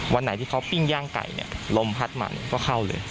วันไหนที่เขาปิ้งย่างไก่เนี่ยลมพัดมาก็เข้าเลย